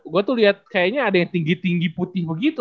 gue tuh lihat kayaknya ada yang tinggi tinggi putih begitu